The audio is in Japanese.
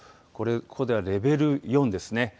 ここではレベル４ですね。